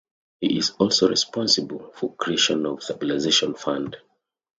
He is also responsible for creation of the Stabilisation Fund.